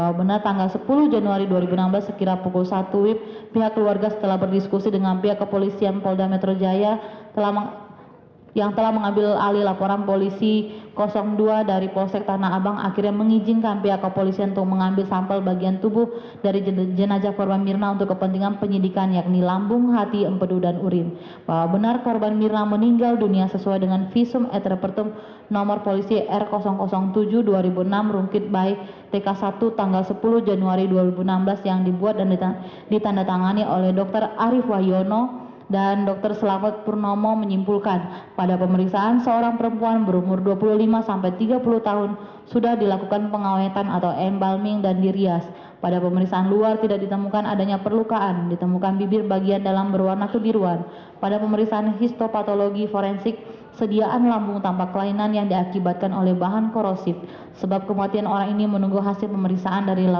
hari kamis tanggal dua puluh satu januari dua ribu enam belas sehingga volume tersebut hanyalah perkiraan atau kurang lebih saja